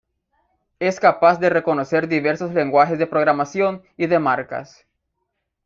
Es capaz de reconocer diversos lenguajes de programación y de marcas.